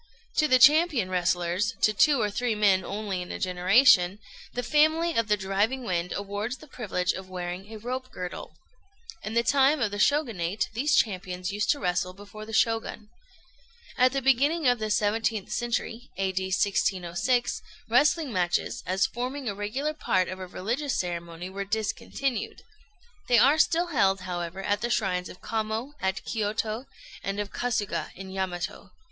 To the champion wrestlers to two or three men only in a generation the family of the "Driving Wind" awards the privilege of wearing a rope girdle. In the time of the Shogunate these champions used to wrestle before the Shogun. At the beginning of the 17th century (A.D. 1606) wrestling matches, as forming a regular part of a religious ceremony, were discontinued. They are still held, however, at the shrines of Kamo, at Kiôto, and of Kasuga, in Yamato.